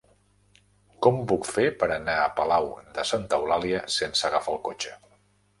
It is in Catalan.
Com ho puc fer per anar a Palau de Santa Eulàlia sense agafar el cotxe?